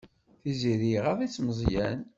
Tiziri iɣaḍ-itt Meẓyan.